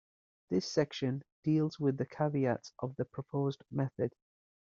This section deals with the caveats of the proposed method.